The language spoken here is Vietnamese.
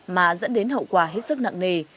mà dẫn đến hậu quả hết sức nặng nề